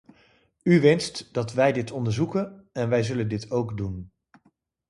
U wenst dat wij dit onderzoeken en wij zullen dit ook doen.